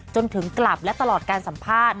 จนถึงกลับและตลอดการสัมภาษณ์